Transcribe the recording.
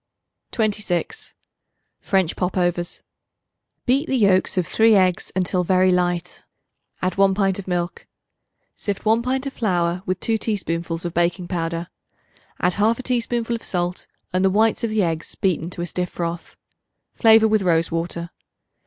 26. French Pop overs. Beat the yolks of 3 eggs until very light; add 1 pint of milk. Sift 1 pint of flour with 2 teaspoonfuls of baking powder; add 1/2 teaspoonful of salt and the whites of the eggs beaten to a stiff froth. Flavor with rose water.